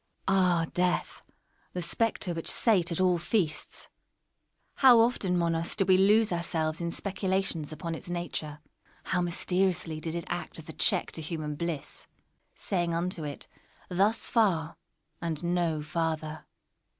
Una. Ah, Death, the spectre which sate at all feasts! How often, Monos, did we lose ourselves in speculations upon its nature! How mysteriously did it act as a check to human bliss—saying unto it "thus far, and no farther!"